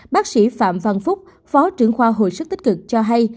bác sĩ phạm văn phúc phó trưởng khoa hồi sức tích cực cho hay